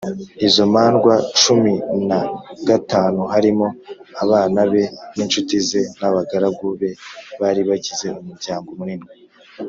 Izo mandwa cumin a gatanu, harimo abana be n’inshuti ze n’abagaragu be bari bagize umuryango munini